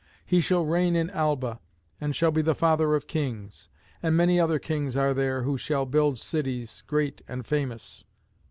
He shall reign in Alba, and shall be the father of kings. And many other kings are there who shall build cities great and famous.